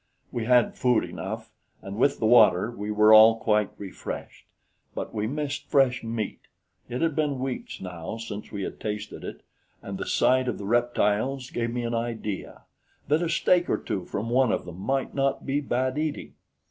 We had food enough, and with the water we were all quite refreshed; but we missed fresh meat. It had been weeks, now, since we had tasted it, and the sight of the reptiles gave me an idea that a steak or two from one of them might not be bad eating.